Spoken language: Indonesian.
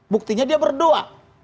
buktinya dia berdoa